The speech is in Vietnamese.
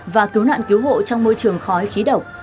và cứu nạn cứu hộ trong môi trường khói khí độc